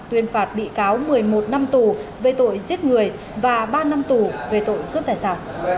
tuyên phạt bị cáo một mươi một năm tù về tội giết người và ba năm tù về tội cướp tài sản